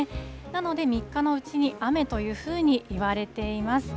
なので、三日のうちに雨というふうにいわれています。